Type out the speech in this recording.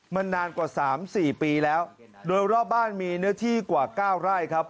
มันนานกว่าสามสี่ปีแล้วโดยรอบบ้านมีเนื้อที่กว่า๙ไร่ครับ